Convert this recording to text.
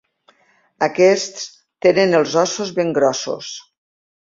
Aquests tenen els ossos ben grossos.